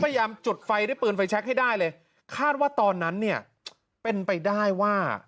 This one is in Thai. จุดไฟด้วยปืนไฟแชคให้ได้เลยคาดว่าตอนนั้นเนี่ยเป็นไปได้ว่า